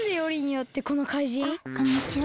あっこんにちは